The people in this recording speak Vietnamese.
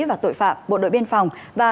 và tội phạm bộ đội biên phòng